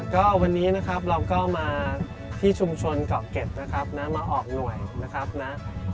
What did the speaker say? ก็วันนี้นะครับเราก็มาที่ชุมชนเกาะเก็ตนะครับนะมาออกหน่วยนะครับนะ